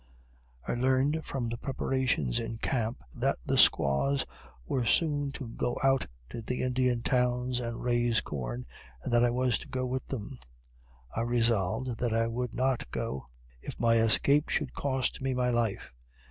I learned from the preparations in camp that the squaws were soon to go out to the Indian towns and raise corn, and that I was to go with them. I resolved that I would not go, if my escape should cost me my life.